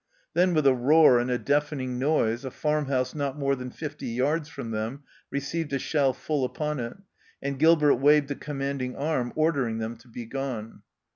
Then with a roar and a deafening noise a farm house not more than fifty yards from them received a shell full upon it, and Gilbert waved a commanding arm ordering them to begone.